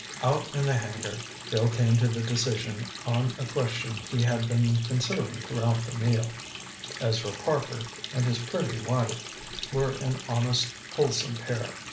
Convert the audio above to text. Out in the hangar, Bill came to a decision on a question he had been considering throughout the meal. Ezra Parker and his pretty wife were an honest, wholesome pair.